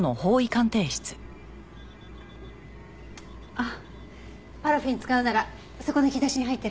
あっパラフィン使うならそこの引き出しに入ってるんで。